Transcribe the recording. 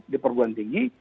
di perguruan tinggi